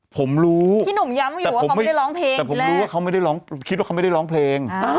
เพราะผมไม่รู้เขาร้องเพลง